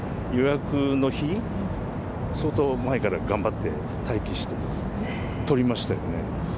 予約の日、相当前から頑張って待機して取りましたよね。